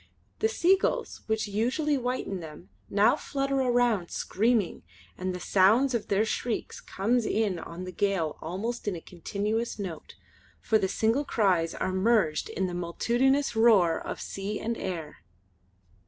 The seagulls which usually whiten them, now flutter around screaming, and the sound of their shrieks comes in on the gale almost in a continuous note, for the single cries are merged in the multitudinous roar of sea and air.